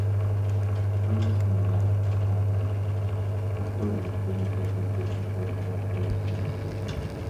En forma similar la banda Bathory fue inicialmente influenciada por el crust.